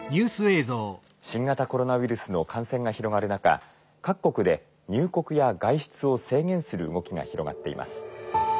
「新型コロナウイルスの感染が広がる中各国で入国や外出を制限する動きが広がっています」。